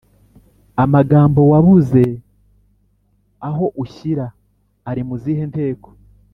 amagambo wabuze aho ushyira ari mu zihe nteko?